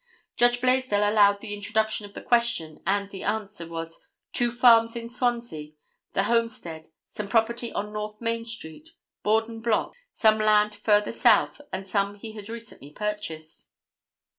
Judge Blaisdell allowed the introduction of the question and the answer was "two farms in Swansea, the homestead, some property on North Main street, Borden Block, some land further south and some he had recently purchased."